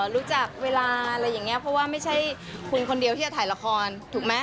รู้จักเวลาอะไรอย่างนี้เพราะว่าไม่ใช่คุณคนเดียวที่จะถ่ายละครถูกไหม